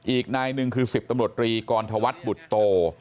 อีกนายหนึ่งคือ๑๐ตำรวจรีกรธวัฒน์บุตโต